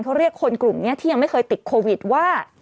เขาเรียกคนกลุ่มนี้ที่ยังไม่เคยติดโควิดว่า